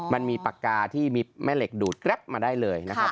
มันมีปากกาที่มีแม่เหล็กดูดแกรปมาได้เลยนะครับ